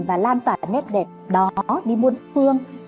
và lan tỏa nét đẹp đó đi muôn phương